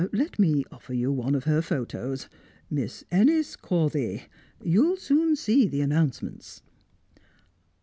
Let me offer you one of her photos. Miss Ennis Corthy you'll soon see the announcements."